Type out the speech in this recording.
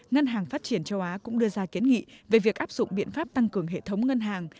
ngân hàng phát triển châu á cũng đưa ra kiến nghị về việc áp dụng biện pháp tăng cường hệ thống ngân hàng